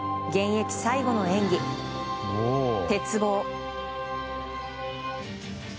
現役最後の演技、鉄棒。